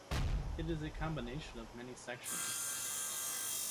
It is a combination of many sections.